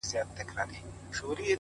ځوان د سگريټو تسه کړې قطۍ وغورځول!